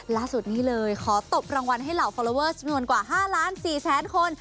ล่าสุดนี้เลยขอตบรางวัลให้เหล่าฟอลลอเวอร์จำนวนกว่า๕ล้าน๔แสนคน